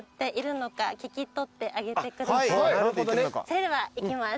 それではいきます。